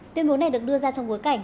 tuyên bố này được đưa ra trong gối cao